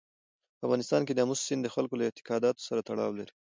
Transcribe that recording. په افغانستان کې آمو سیند د خلکو له اعتقاداتو سره تړاو لري.